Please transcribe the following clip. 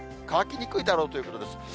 乾きにくいだろうということです。